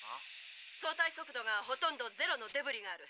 相対速度がほとんどゼロのデブリがある」。